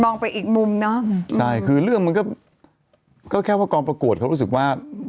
ไปอีกมุมเนอะใช่คือเรื่องมันก็ก็แค่ว่ากองประกวดเขารู้สึกว่า